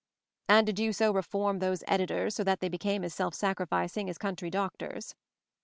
"And did you so reform those Editors, so that they became as self sacrificing as coun try doctors?"